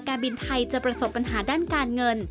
การบินไทยจะประสบปัญหาด้านการเงิน